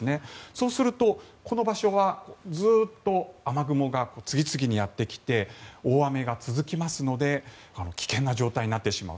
そうすると、この場所はずっと雨雲が次々にやってきて大雨が続きますので危険な状態になってしまう。